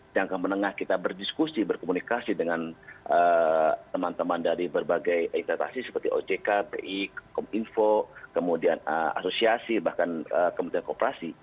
jangka menengah kita berdiskusi berkomunikasi dengan teman teman dari berbagai entratasi seperti ojk pi kominfo kemudian asosiasi bahkan kemudian kooperasi